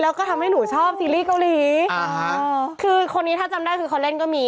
แล้วก็ทำให้หนูชอบซีรีส์เกาหลีคือคนนี้ถ้าจำได้คือเขาเล่นก็มี